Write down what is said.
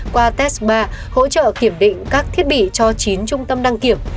qua test ba hỗ trợ kiểm định các thiết bị cho chín trung tâm đăng kiểm